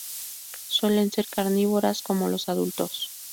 Suelen ser carnívoras, como los adultos.